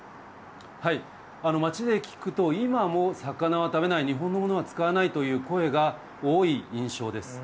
街で聞くと、今も魚は食べない、日本のものは使わないという声が多い印象です。